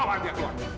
bawa dia keluar